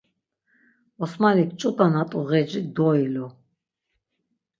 Osmanik ç̌ut̆a na t̆u ğeci doilu.